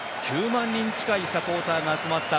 ９万人近いサポーターが集まった。